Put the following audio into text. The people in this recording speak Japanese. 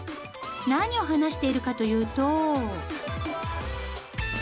何を話しているかというと。